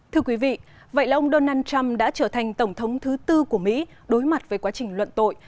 thưa quý vị vậy là ông donald trump đã trở thành tổng thống thứ tư của mỹ đối mặt với quá trình luận tội